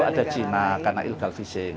ada cina karena illegal fishing